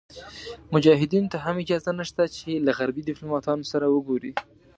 مجاهدینو ته هم اجازه نشته چې له غربي دیپلوماتانو سره وګوري.